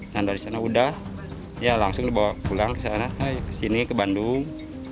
nah dari sana udah ya langsung dibawa pulang ke sana kesini ke bandung